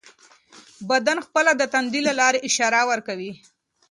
بدن خپله د تندې له لارې اشاره ورکوي.